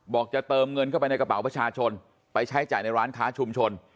จะเติมเงินเข้าไปในกระเป๋าประชาชนไปใช้จ่ายในร้านค้าชุมชน